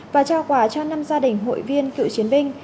và trao quà cho năm gia đình hội viên cựu chiến binh